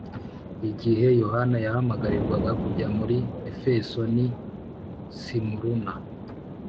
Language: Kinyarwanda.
Igihe Yohana yahamagarirwaga kujya muri Efeso n’i Simuruna